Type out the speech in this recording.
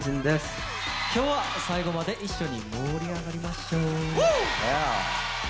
今日は最後まで一緒に盛り上がりましょう！